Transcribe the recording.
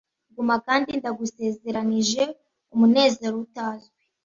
guma kandi ndagusezeranije umunezero utazwi